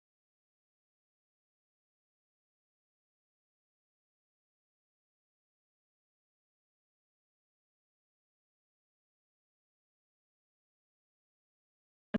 โปรดติดตามต่อไป